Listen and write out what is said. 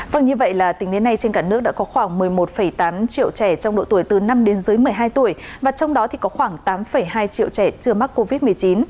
vâng như vậy là tính đến nay trên cả nước đã có khoảng một mươi một tám triệu trẻ trong độ tuổi từ năm đến dưới một mươi hai tuổi và trong đó thì có khoảng tám hai triệu trẻ chưa mắc covid một mươi chín